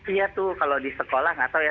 iya tuh kalau di sekolah nggak tahu ya